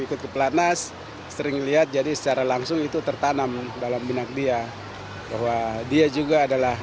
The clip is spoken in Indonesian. ikut ke pelatnas sering lihat jadi secara langsung itu tertanam dalam benak dia bahwa dia juga adalah